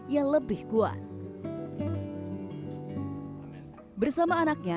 dan menjaga kemampuan